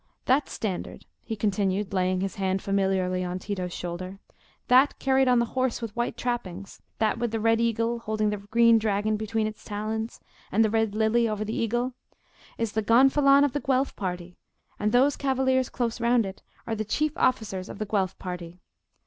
That standard," he continued, laying his hand familiarly on Tito's shoulder,—"that carried on the horse with white trappings—that with the red eagle holding the green dragon between his talons, and the red lily over the eagle—is the Gonfalon of the Guelf party, and those cavaliers close round it are the chief officers of the Guelf party.